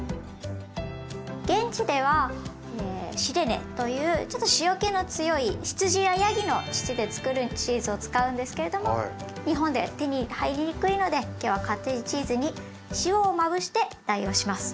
現地では「シレネ」というちょっと塩けの強い羊やヤギの乳でつくるチーズを使うんですけれども日本で手に入りにくいので今日はカッテージチーズに塩をまぶして代用します。